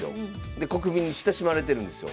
で国民に親しまれてるんですよ。